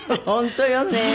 本当よね。